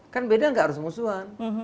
kan beda nggak harus musuhan